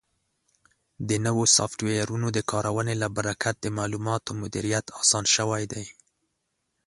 د نوو سافټویرونو د کارونې له برکت د معلوماتو مدیریت اسان شوی دی.